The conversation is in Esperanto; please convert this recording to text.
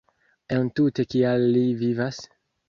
Entute kial li vivas?